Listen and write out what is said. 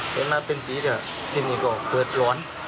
เห็นมาเป็นปีเดี๋ยวที่นี่ก็เกิดร้อน